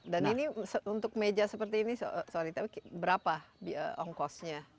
dan ini untuk meja seperti ini sorry tapi berapa ongkosnya